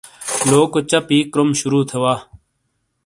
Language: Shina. لوکو چا پی کروم شروع تھے وا۔